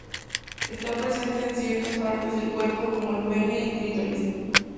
Está presente en ciertas partes del cuerpo, como el pene y el clítoris.